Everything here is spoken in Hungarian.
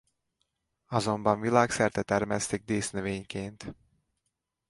Azonban világszerte termesztik dísznövényként.